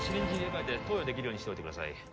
投与できるようにしといてください。